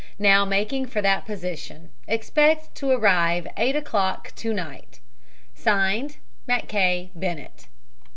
Now making for that position. Expect to arrive 8 o'clock to night. (Signed) "MACKAY BENNETT."